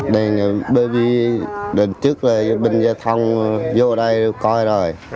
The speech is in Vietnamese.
đèn bởi vì đợt trước là bình gia thông vô đây coi rồi